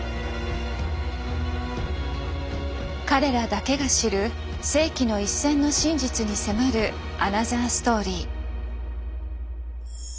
彼らだけが知る「世紀の一戦」の真実に迫るアナザーストーリー。